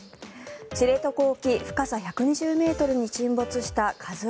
知床沖、深さ１２０ｍに沈没した「ＫＡＺＵ１」。